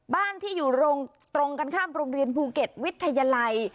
บ้านที่อยู่ตรงกันข้ามโรงเรียนภูเก็ตวิทยาลัย